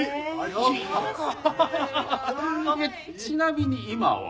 ちなみに今は？